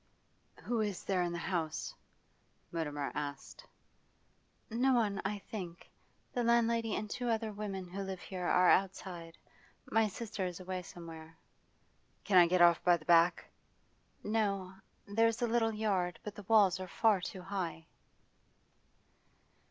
'Who is there in the house?' Mutimer asked. 'No one, I think. The landlady and two other women who live here are outside. My sister is away somewhere.' 'Can I get off by the back?' 'No. There's a little yard, but the walls are far too high.